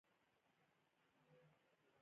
د هېواد مرکز د افغانانو د فرهنګي پیژندنې برخه ده.